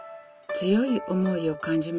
強い思いを感じますね。